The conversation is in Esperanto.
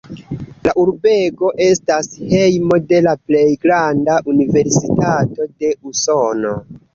La urbego estas hejmo de la plej granda universitato de Usono.